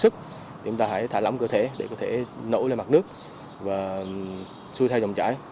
thì chúng ta hãy thả lỏng cơ thể để có thể nổ lên mặt nước và xuôi theo vòng chải